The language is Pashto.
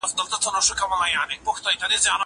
زه هره ورځ لوښي وچوم!